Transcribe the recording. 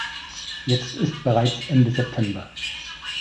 Jetzt ist bereits Ende September.